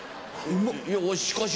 いやしかし。